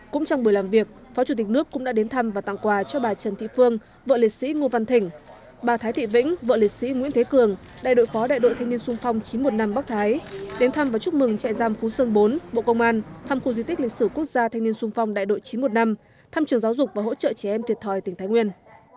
cũng trong buổi làm việc phó chủ tịch nước cũng đã đến thăm và tặng quà cho bà trần thị phương vợ liệt sĩ ngô văn thỉnh bà thái thị vĩnh vợ lịch sĩ nguyễn thế cường đại đội phó đại đội thanh niên sung phong chín trăm một mươi năm bắc thái đến thăm và chúc mừng trại giam phú sơn bốn bộ công an thăm khu di tích lịch sử quốc gia thanh niên sung phong đại đội chín trăm một mươi năm thăm trường giáo dục và hỗ trợ trẻ em thiệt thòi tỉnh thái nguyên